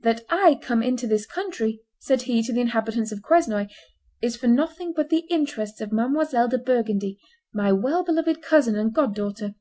"That I come into this country," said he to the inhabitants of Quesnoy, "is for nothing but the interests of Mdlle. de Burgundy, my well beloved cousin and god daughter.